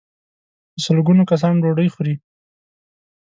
په سل ګونو کسان ډوډۍ خوري.